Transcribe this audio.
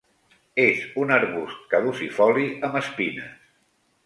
És un arbust caducifoli amb espines.